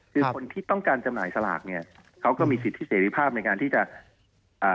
คือคนที่ต้องการจำหน่ายสลากเนี้ยเขาก็มีสิทธิเสรีภาพในการที่จะอ่า